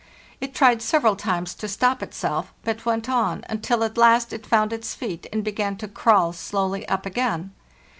It tried several times to stop itself, but went on, until at last it found its feet and began to crawl slowly up again.